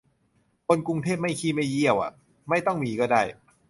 คนกรุงเทพไม่ขี้ไม่เยี่ยวฮะ ไม่ต้องมีก็ได้